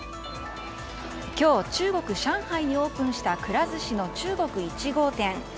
今日中国・上海にオープンしたくら寿司の中国１号店。